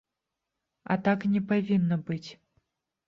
А так не павінна быць.